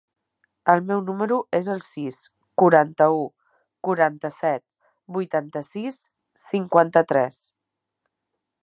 El meu número es el sis, quaranta-u, quaranta-set, vuitanta-sis, cinquanta-tres.